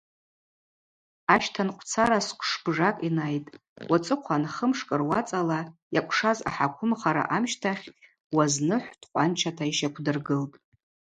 Ащтанкъвцара сквшбжакӏ йнайтӏ, уацӏыхъван хымшкӏ руацӏала йакӏвшаз ахӏаквымхара амщтахь Уаз Ныхӏв дкъванчата йщаквдыргылтӏ.